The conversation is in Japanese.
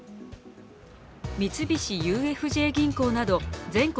三菱ＵＦＪ銀行など全国